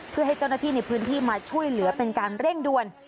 เพื่อให้เจ้าหน้าที่ในพื้นที่มาช่วยเหลือเป็นการเร่งด่วน